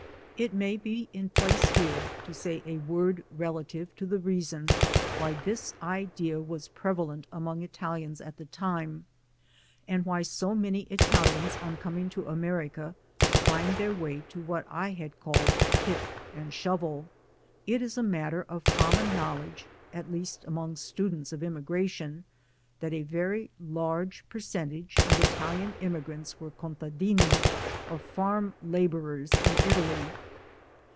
It may be in place here to say a word relative to the reason why this idea was prevalent among Ital ians at the time, and why so many Italians on com ing to America find their way to what I had called "peek and shuvle." It is a matter of common 1 knowledge, at least among students of immigration, that a very large percentage of Italian immigrants were "contadini" or farm laborers in Italy.